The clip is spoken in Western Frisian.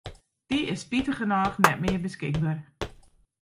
Dy is spitigernôch net mear beskikber.